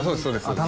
そうです